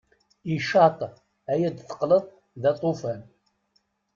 Icaṭ ay teqqleḍ d aṭufan!